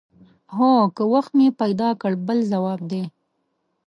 هو که وخت مې پیدا کړ بل ځواب دی.